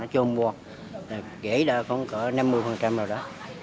không mua kể là khoảng năm mươi rồi đó